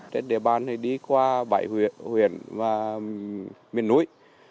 trên địa bàn thì đi qua bãi huyền và miền núi